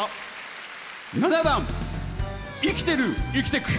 ７番「生きてる生きてく」。